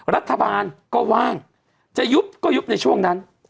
รัฐบาลก็ว่างจะยุบก็ยุบในช่วงนั้น